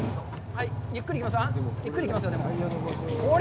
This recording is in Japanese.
はい、ゆっくり行きますよ。